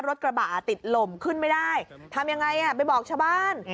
รถกระบะติดลมขึ้นไม่ได้ทำยังไงไปบอกชาวบ้าน